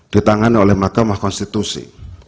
ditangani oleh mahkamah konstitusi